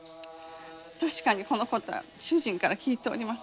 たしかにこの事は主人から聞いております。